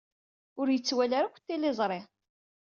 Ur yettwali ara akk tiliẓri.